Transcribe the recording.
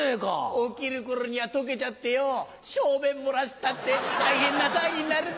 起きる頃には溶けちゃってよぉ小便漏らしたって大変な騒ぎになるぜ！